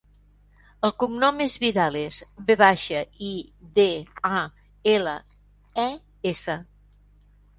El cognom és Vidales: ve baixa, i, de, a, ela, e, essa.